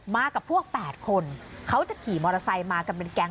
มากับพวก๘คนเขาจะขี่มอเตอร์ไซค์มากันเป็นแก๊ง